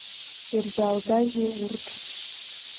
Ирзаалгазеи урҭ?